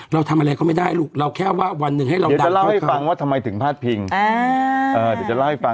เราทำอะไรก็ไม่ได้ลูกเราแค่ว่าวันหนึ่งให้เราดับเข้าเข้า